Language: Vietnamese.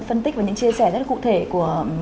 phân tích và những chia sẻ rất là cụ thể của